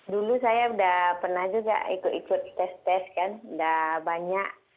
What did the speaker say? dulu saya udah pernah juga ikut ikut tes tes kan udah banyak